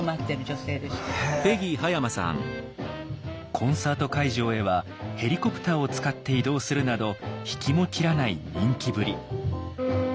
コンサート会場へはヘリコプターを使って移動するなど引きも切らない人気ぶり。